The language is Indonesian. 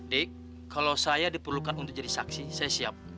dik kalau saya diperlukan untuk jadi saksi saya siap